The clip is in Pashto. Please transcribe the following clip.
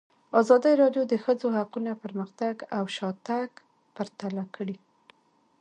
ازادي راډیو د د ښځو حقونه پرمختګ او شاتګ پرتله کړی.